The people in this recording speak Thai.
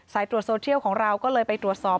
ตรวจโซเทียลของเราก็เลยไปตรวจสอบ